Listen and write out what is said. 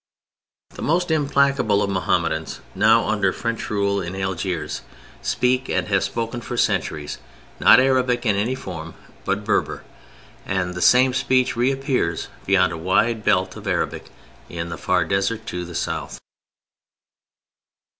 The most implacable of Mohammedans now under French rule in Algiers speak, and have spoken for centuries, not Arabic in any form, but Berber; and the same speech reappears beyond a wide belt of Arabic in the far desert to the south.